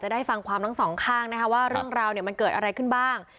ได้ฟังความทั้งสองข้างนะคะว่าเรื่องราวมันเกิดอะไรขึ้นบ้าง